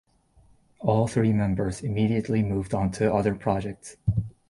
All three members immediately moved on to other projects.